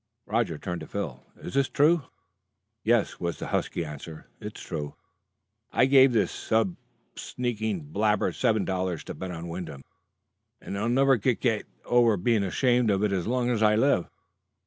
Roger turned to Phil. "Is this true?" "Yes," was the husky answer, "it's true. I gave this sus sneaking blabber seven dollars to bet on Wyndham, and I'll never gug get over being ashamed of it as long as I live.